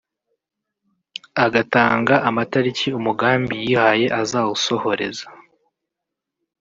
agatanga amatariki umugambi yihaye azawusohoreza